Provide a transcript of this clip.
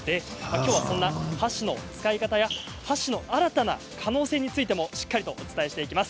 きょうは箸の使い方や箸の新たな可能性についてもしっかりとお伝えしていきます。